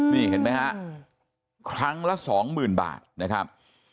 นี่เห็นป่ะครั้งละ๒๐๐๐๐บาทนะครับ